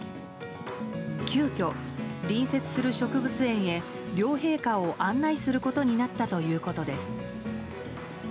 急きょ、隣接する植物園へ両陛下を案内することになったということです。